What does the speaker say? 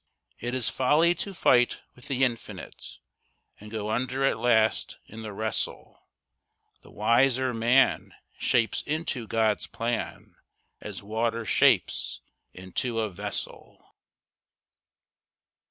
It is folly to fight with the Infinite, And go under at last in the wrestle. The wiser man shapes into God's plan, As water shapes into a vessel.